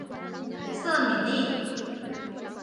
瑟米利。